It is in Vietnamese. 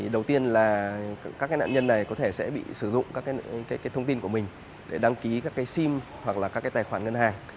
đầu tiên là các nạn nhân này có thể sẽ bị sử dụng các thông tin của mình để đăng ký các sim hoặc là các tài khoản ngân hàng